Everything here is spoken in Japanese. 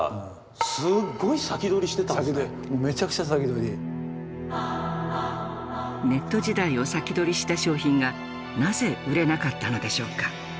要するにいやだからネット時代を先取りした商品がなぜ売れなかったのでしょうか。